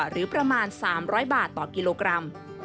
หรือประมาณ๓๐๐บาทต่อกิโลกรัม